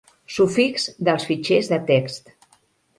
Sufix dels fitxers de text.